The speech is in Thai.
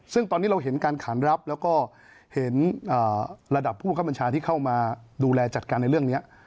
ซึ่งตอนนี้เราเห็นการขานรับแล้วก็เห็นระดับผู้บังคับบัญชาที่เข้ามาดูแลจัดการในเรื่องนี้